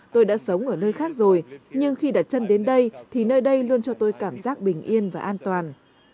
tôi đã sống ở nơi khác rồi nhưng khi đặt chân đến đây thì nơi đây luôn cho tôi cảm giác bình yên và an toàn